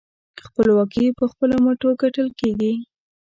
خپلواکي په خپلو مټو ګټل کېږي.